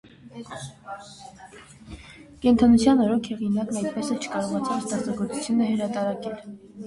Կենդանության օրոք հեղինակն այդպես էլ չկարողացավ ստեղծագործությունը հրատարակել։